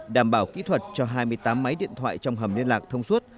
đảm bảo kỹ thuật cho hai mươi tám máy điện thoại trong hầm liên lạc thông suốt